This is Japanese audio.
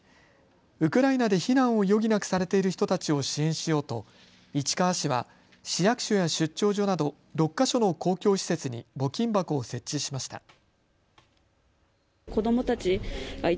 ウクライナで避難を余儀なくされている人たちを支援しようと市川市は市役所や出張所など６か所の公共施設に募金箱を設置しました。